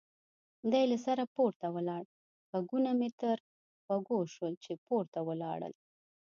دی له سره پورته ولاړ، غږونه مې یې تر غوږو شول چې پورته ولاړل.